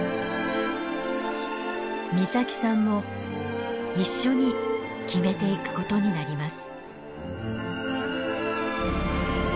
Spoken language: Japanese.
岬さんも一緒に決めていくことになります。